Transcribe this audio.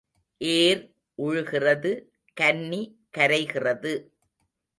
ஏர் உழுகிறது கன்னி கரைகிறது.